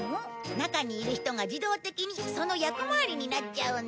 中にいる人が自動的にその役回りになっちゃうんだ。